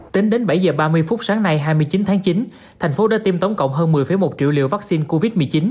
tính đến bảy h ba mươi phút sáng nay hai mươi chín tháng chín thành phố đã tiêm tổng cộng hơn một mươi một triệu liều vaccine covid một mươi chín